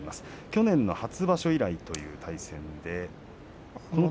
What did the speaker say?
去年の初場所以来の対戦です。